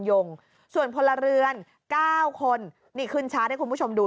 ยงส่วนพลเรือน๙คนนี่ขึ้นชาร์จให้คุณผู้ชมดู